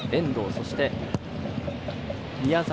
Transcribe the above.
そして、宮澤。